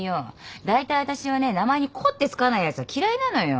だいたい私はね名前に「子」って付かないやつは嫌いなのよ。